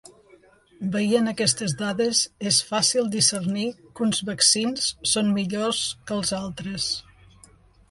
Veient aquestes dades és fàcil discernir que uns vaccins són millors que els altres.